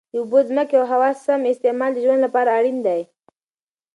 د اوبو، ځمکې او هوا سم استعمال د ژوند لپاره اړین دی.